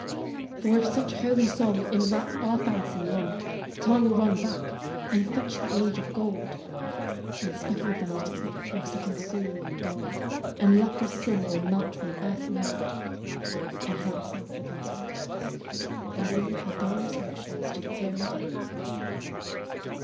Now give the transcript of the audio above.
For if such holy song Inwrap our fancy long, Time will run back, and fetch the age of gold; And speckled vanity Will sicken soon and die, And leprous sin will melt from earthly mould; And hell itself will pass away. And leave her dolorous mansions to the peering day.